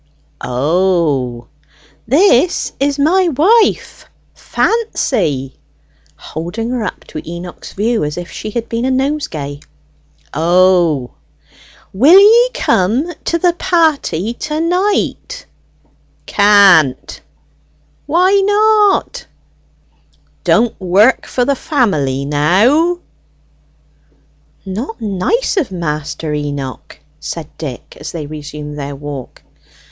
"O h h h h h!" "This is my wife, Fa a a a a ancy!" (holding her up to Enoch's view as if she had been a nosegay.) "O h h h h h!" "Will ye come across to the party to ni i i i i i ight!" "Ca a a a a an't!" "Why n o o o o ot?" "Don't work for the family no o o o ow!" "Not nice of Master Enoch," said Dick, as they resumed their walk.